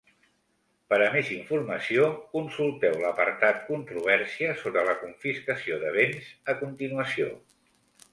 Per a més informació, consulteu l'apartat controvèrsia sobre la confiscació de béns a continuació.